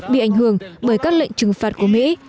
bị ảnh hưởng bởi các lệnh trừng phạt của mỹ